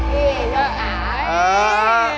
เฮ้หลาย